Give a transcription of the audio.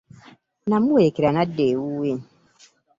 Namuwerekera n'adda ewuwe.